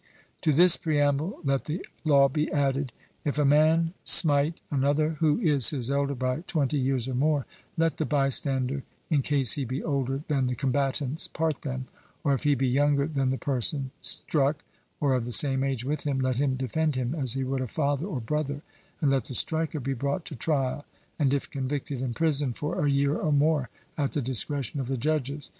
To this preamble, let the law be added: If a man smite another who is his elder by twenty years or more, let the bystander, in case he be older than the combatants, part them; or if he be younger than the person struck, or of the same age with him, let him defend him as he would a father or brother; and let the striker be brought to trial, and if convicted imprisoned for a year or more at the discretion of the judges.